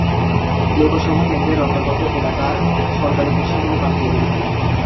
লোকসভা কেন্দ্রের অন্তর্গত এলাকার সরকারি ভাষা হল পাঞ্জাবি।